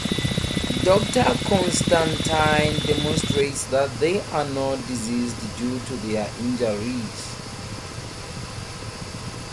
Doctor Constantine demonstrates that they are not deceased due to their injuries.